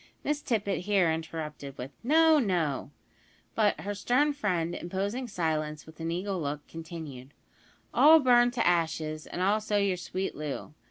Miss Tippet here interrupted with, "No, no;" but her stern friend imposing silence, with an eagle look, continued: "All burned to ashes, and also your sweet Loo.